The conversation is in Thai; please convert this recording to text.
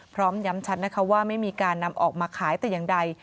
พร้อมย้ำชัดนะคะว่าไม่มีการนำออกมาขายแต่อย่างใด